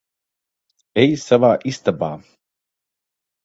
Ej savā istabā.